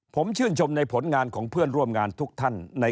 ผมชื่นชมในผลงานของเพื่อนร่วมงานทุกท่านในการปฏิบัติงาน